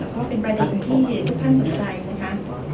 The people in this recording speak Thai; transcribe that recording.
แล้วก็เป็นประเด็นที่ทุกท่านสนใจนะคะ